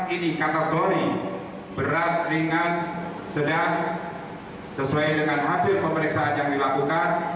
ini kategori berat ringan sedang sesuai dengan hasil pemeriksaan yang dilakukan